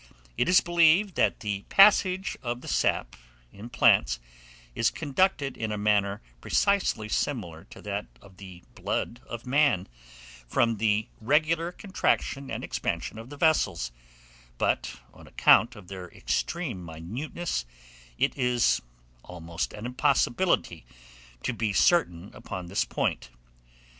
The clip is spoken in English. It is believed that the passage of the sap in plants is conducted in a manner precisely similar to that of the blood in man, from the regular contraction and expansion of the vessels; but, on account of their extreme minuteness, it is almost an impossibility to be certain upon this point.